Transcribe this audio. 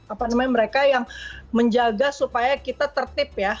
apa namanya mereka yang menjaga supaya kita tertip ya